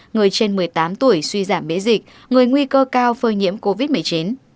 người trên một mươi tám tuổi suy giảm biễ dịch người nguy cơ cao phơi nhiễm covid một mươi chín